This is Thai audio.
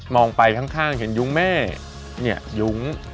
องไปข้างเห็นยุ้งแม่เนี่ยยุ้ง